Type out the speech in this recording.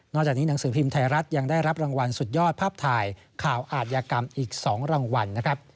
จากนี้หนังสือพิมพ์ไทยรัฐยังได้รับรางวัลสุดยอดภาพถ่ายข่าวอาทยากรรมอีก๒รางวัลนะครับ